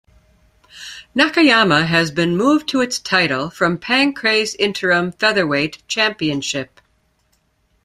Nakayama has been moved to its title from Pancrase Interim Featherweight Championship.